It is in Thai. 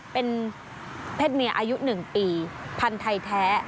เป็นเพศเมียอายุ๑ปีพันธุ์ไทยแท้